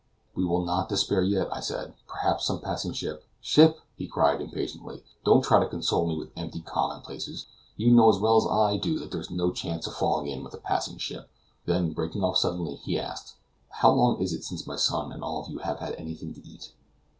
"We will not despair yet," I said; "perhaps some passing ship " "Ship!" he cried, impatiently, "don't try to console me with empty commonplaces; you know as well as I do that there is no chance of falling in with a passing ship." Then, breaking off suddenly, he asked: "How long is it since my son and all of you have had anything to eat?"